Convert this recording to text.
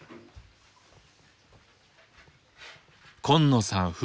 今野さん